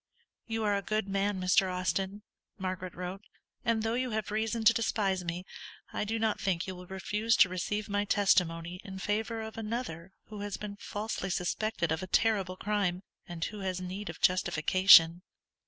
"You are a good man, Mr. Austin," Margaret wrote; "_and though you have reason to despise me, I do not think you will refuse to receive my testimony in favour of another who has been falsely suspected of a terrible crime, and who has need of justification.